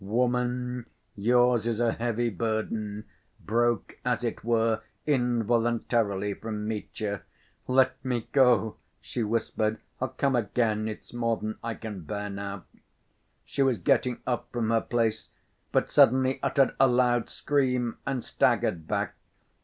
"Woman, yours is a heavy burden," broke, as it were, involuntarily from Mitya. "Let me go," she whispered. "I'll come again. It's more than I can bear now." She was getting up from her place, but suddenly uttered a loud scream and staggered back.